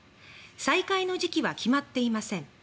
再開の時期は決まっていません。